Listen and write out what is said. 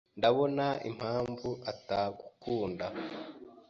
Ndabona impamvu atagukunda.